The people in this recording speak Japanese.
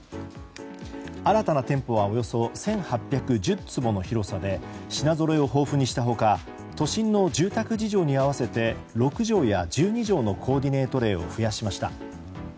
新たな店舗はおよそ１８１０坪の広さで品ぞろえを豊富にした他都心の住宅事情に合わせて６畳や１２畳のコーディネート例を増やしました。